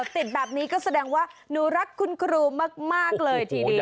ติดแบบนี้ก็แสดงว่าหนูรักคุณครูมากเลยทีเดียว